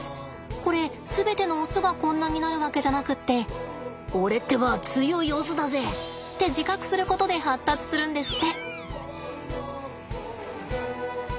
これ全てのオスがこんなになるわけじゃなくって俺ってば強いオスだぜ！って自覚することで発達するんですって。